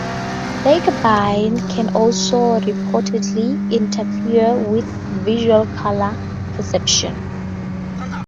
Tiagabine can also reportedly interfere with visual color perception.